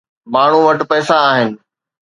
ماڻهو وٽ پئسا آهن.